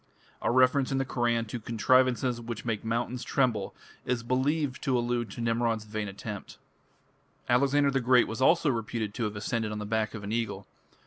A reference in the Koran to "contrivances ... which make mountains tremble" is believed to allude to Nimrod's vain attempt. Alexander the Great was also reputed to have ascended on the back of an eagle.